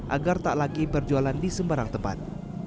agar tak lagi berjualan di sembarang tempat